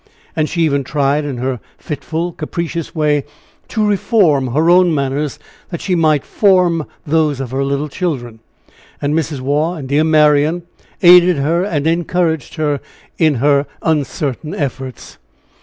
And she even tried, in her fitful, capricious way, to reform her own manners, that she might form those of her little children. And Mrs. Waugh and dear Marian aided her and encouraged her in her uncertain efforts.